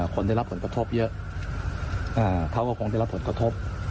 คนได้รับผลกระทบเยอะเขาก็คงได้รับผลกระทบ